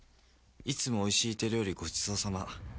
いつもおいしい手料理ご馳走さま」